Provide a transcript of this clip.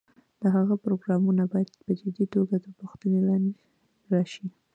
د هغه پروګرامونه باید په جدي توګه تر پوښتنې لاندې راشي.